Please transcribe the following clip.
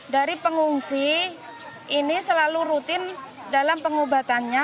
dari pengungsi ini selalu rutin dalam pengobatannya